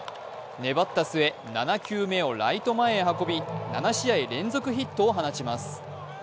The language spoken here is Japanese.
粘った末、７球目をライト前へ運び７試合連続ヒットを放ちます。